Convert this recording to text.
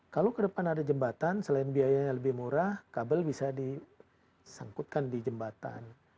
kalau ke depan ada jembatan selain biayanya lebih murah kabel bisa disangkutkan di jembatan